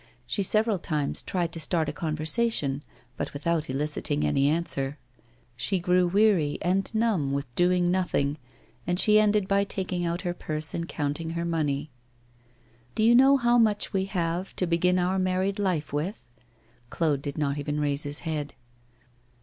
She several times tried to start a conversation, but without eliciting any answer. The hours went by, she grew weary and numb with doing nothing, and she ended by taking out her purse and counting her money. 'Do you know how much we have to begin our married life with?' Claude did not even raise his head.